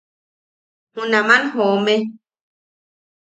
Junaman joome.